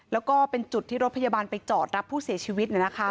แล้วก็เป็นจุดที่รถพยาบาลไปจอดรับผู้เสียชีวิต